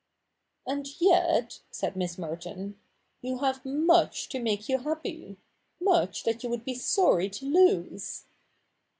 ' And yet,' said Miss Merton, ' you have much to make you happy — much that you would be sorry to lose.'